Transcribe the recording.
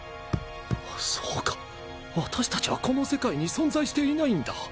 そうか私たちはこの世界に存在していないんだ。